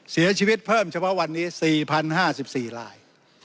เสียชีวิตเพิ่มเฉพาะวันนี้๔๐๕๔ลาย